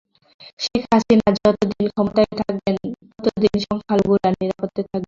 শেখ হাসিনা যত দিন ক্ষমতায় থাকবেন, তত দিন সংখ্যালঘুরা নিরাপদে থাকবেন।